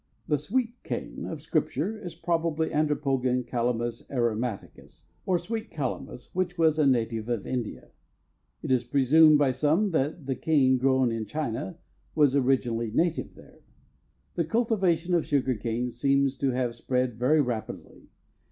The "sweet cane" of Scripture is probably Andropogon calamus aromaticus, or sweet calamus, which was a native of India. It is presumed by some that the cane grown in China was originally native there. The cultivation of sugar cane seems to have spread very rapidly.